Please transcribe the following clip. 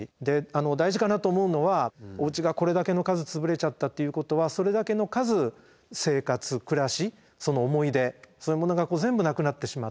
で大事かなと思うのはおうちがこれだけの数潰れちゃったっていうことはそれだけの数生活暮らしその思い出そういうものが全部なくなってしまって。